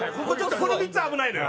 この３つ危ないのよ。